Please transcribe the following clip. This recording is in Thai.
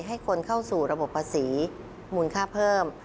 ให้คนเข้าสู่ระบบภาษีมูลค่าเพิ่ม